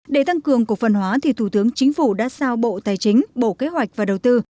để tăng cường cổ phần hóa thì thủ tướng chính phủ đã sao bộ tài chính bộ kế hoạch và đầu tư